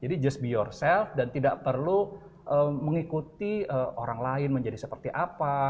jadi just be yourself dan tidak perlu mengikuti orang lain menjadi seperti apa